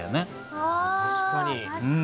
あ確かに。